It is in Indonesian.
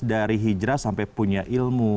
dari hijrah sampai punya ilmu